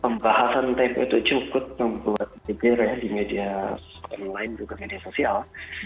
pembahasan tep itu cukup membuat diteres di media online juga media sosial